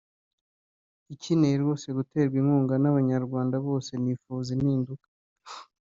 ikeneye rwose guterwa inkunga n’Abanyarwanda bose bifuza impinduka